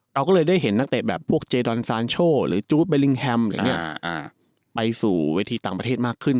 เราก็เลยได้เห็นนักเตะแบบพวกเจดอนซานโชหรือจู๊ดเบลิงแฮมอย่างนี้ไปสู่เวทีต่างประเทศมากขึ้น